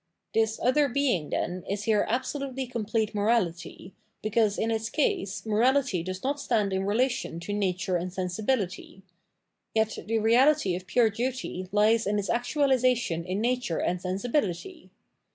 This other being, then, is here absolutely complete 636 Phenomenology of Mind morality, because in its case morality does not stand in relation to natiire and sensibility. Yet tbe reality of pure duty lies in its actualisation in nature and sensibility.